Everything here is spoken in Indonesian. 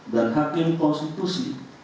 dan hakim konstitusi